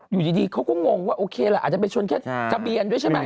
อยู่ดีเขาก็งงว่าโอเคล่ะอาจจะไปชนแค่ทะเบียนด้วยใช่ไหม